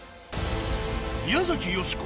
宮崎美子